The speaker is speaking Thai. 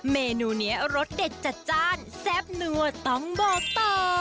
เมนูนี้รสเด็ดจัดจ้านแซ่บนัวต้องบอกต่อ